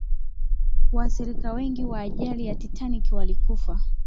waathirika wengi wa ajali ya titanic walikufa